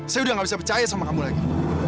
saya udah gak bisa percaya sama kamu lagi